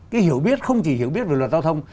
cái hiểu biết không chỉ hiểu biết về luật giao thông